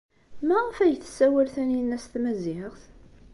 Maɣef ay tessawal Taninna s tmaziɣt?